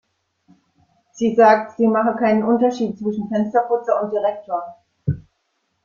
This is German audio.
Sie sagt, sie mache keinen Unterschied zwischen Fensterputzer und Direktor.